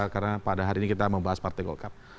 karena pada hari ini kita membahas partai golkar